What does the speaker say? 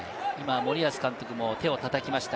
森保監督も手をたたきました。